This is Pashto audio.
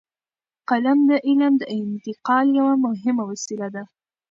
قلم د علم د انتقال یوه مهمه وسیله ده.